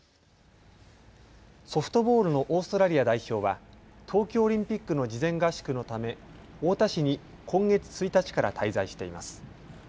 ソフトボールのオーストラリア代表は東京オリンピックの事前合宿のため太田市に今月１日から滞在しています。